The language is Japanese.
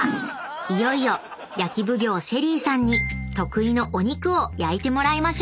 いよいよ焼き奉行ＳＨＥＬＬＹさんに得意のお肉を焼いてもらいましょう］